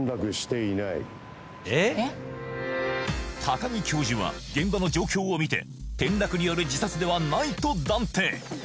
高木教授は現場の状況を見て転落による自殺ではないと断定